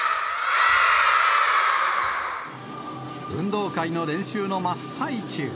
運動会の練習の真っ最中。